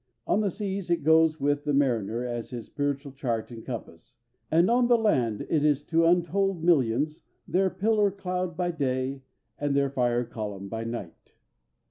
On the seas it goes with the mariner as his spiritual chart and compass, and on the land it is to untold millions their pillar cloud by day and their fire column by night.